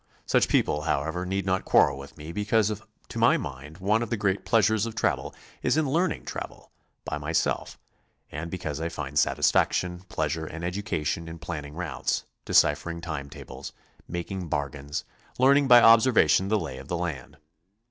Such people, however, need not quarrel with me be cause to my mind one of the great pleasures of travel is in learning travel by myself, and because I find satisfaction, pleasure and education in planning routes, deciphering time tables, making bargains, learning by observation the lay of the land.